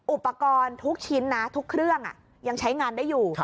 อุปกรณ์ทุกชิ้นนะทุกเครื่องยังใช้งานได้อยู่